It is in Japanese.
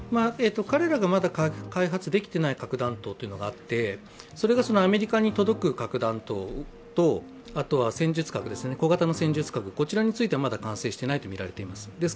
彼らがまだ開発できていない核弾頭があってそれがアメリカに届く核弾頭と、戦術核、小型の戦術核についてはまだ成功していないとみられています。